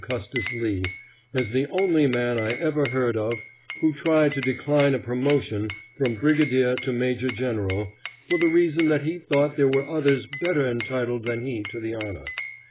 Custis Lee as the only man I ever heard of who tried to decline a promotion from brigadier to major general, for the reason that he thought there were others better entitled than he to the honor.